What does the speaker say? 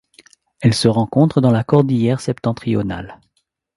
Elle se rencontre dans la cordillère Septentrionale.